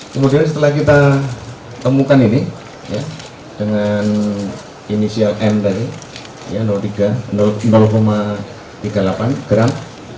kemudian setelah kita temukan ini dengan inisial m tadi ya tiga tiga puluh delapan gram